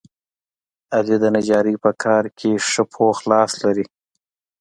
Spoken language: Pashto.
علي د نجارۍ په کار کې ښه پوخ لاس لري.